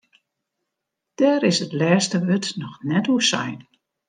Dêr is it lêste wurd noch net oer sein.